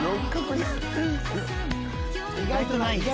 意外とないんか。